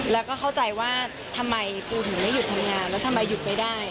แล้วก็เข้าใจว่าทำไมปูถึงไม่หยุดทำงานแล้วทำไมหยุดไม่ได้